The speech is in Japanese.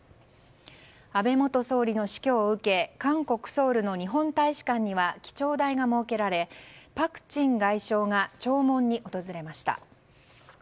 安倍元総理の死去を受け韓国ソウルの日本大使館には記帳台が設けられパク・チン外相が弔問に訪れました。